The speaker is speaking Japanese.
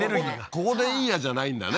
ここでいいやじゃないんだね